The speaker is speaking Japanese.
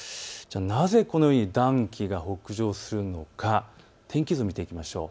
なぜこのように暖気が北上するのか、天気図を見ていきましょう。